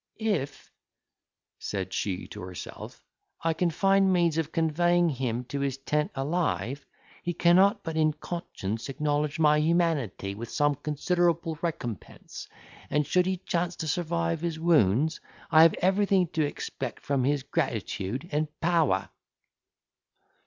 "If," said she to herself, "I can find means of conveying him to his tent alive, he cannot but in conscience acknowledge my humanity with some considerable recompense; and, should he chance to survive his wounds, I have everything to expect from his gratitude and power."